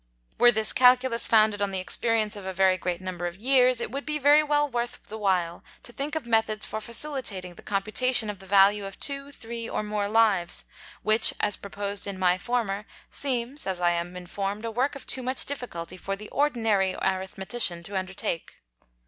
Were this Calculus founded on the Experience of a very great number of Years, it would be very well worth the while to think of Methods for facilitating the Computation of the Value of two, three, or more Lives; which, as proposed in my former, seems (as I am inform'd) a Work of too much Difficulty for the ordinary Arithmetician to undertake.